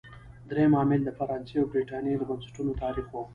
درېیم عامل د فرانسې او برېټانیا د بنسټونو تاریخ و.